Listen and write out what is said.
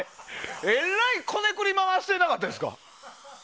えらいこねくり回してなかったですか。